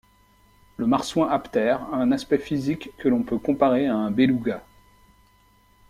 Le marsouin aptère a un aspect physique que l'on peut comparer à un béluga.